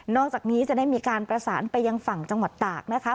อกจากนี้จะได้มีการประสานไปยังฝั่งจังหวัดตากนะคะ